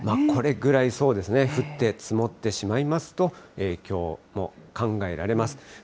これぐらい、そうですね、降って、積もってしまいますと、影響も考えられます。